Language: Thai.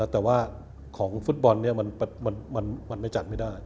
แต่ว่าของฟุตบอลมันไม่จัดไม่ได้